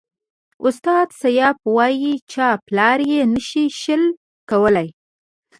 استاد سياف وایي چاپلاري نشي شل کولای.